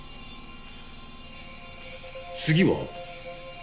次は？